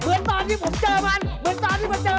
เหมือนตอนที่ผมเจอมันเหมือนตอนที่มันเจอ